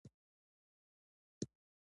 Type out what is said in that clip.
آیا د ګازو ډکولو مرکزونه خوندي دي؟